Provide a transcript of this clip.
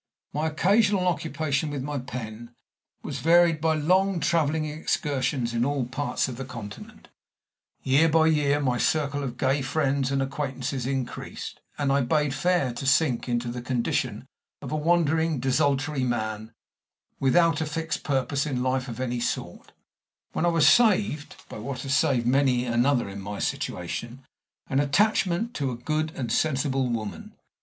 My occasional occupation with my pen was varied by long traveling excursions in all parts of the Continent; year by year my circle of gay friends and acquaintances increased, and I bade fair to sink into the condition of a wandering desultory man, without a fixed purpose in life of any sort, when I was saved by what has saved many another in my situation an attachment to a good and a sensible woman.